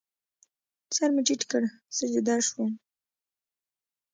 سر مې ټیټ کړ، سجده شوم